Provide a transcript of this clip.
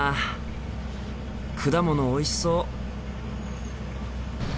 果物おいしそう。